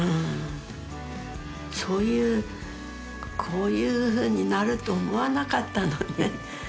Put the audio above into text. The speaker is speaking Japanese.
そういうこういうふうになると思わなかったのね。